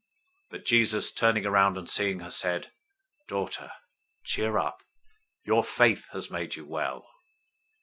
009:022 But Jesus, turning around and seeing her, said, "Daughter, cheer up! Your faith has made you well."